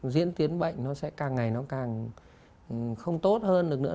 diễn tiến bệnh nó sẽ càng ngày nó càng không tốt hơn được nữa